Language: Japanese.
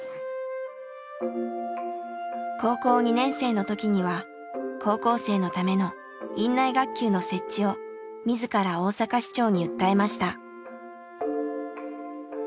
高校２年生の時には高校生のための院内学級の設置を自ら大阪市長に訴えました。